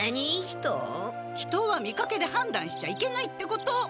人は見かけではんだんしちゃいけないってこと。